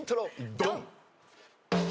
ドン！